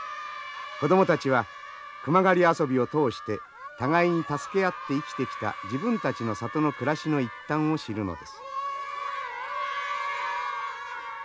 子供たちは熊狩り遊びを通して互いに助け合って生きてきた自分たちの里の暮らしの一端を知るのです。